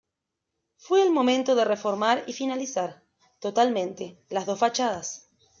Fue el momento de reformar y finalizar, totalmente, las dos fachadas.